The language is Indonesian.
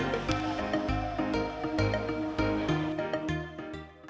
selain itu mereka juga mencari pekerjaan di bidang media sosial